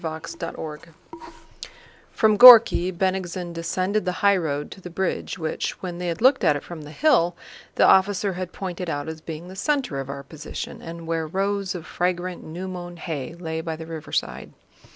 CHAPTER XXIII From Górki, Bennigsen descended the highroad to the bridge which, when they had looked at it from the hill, the officer had pointed out as being the center of our position and where rows of fragrant new mown hay lay by the riverside.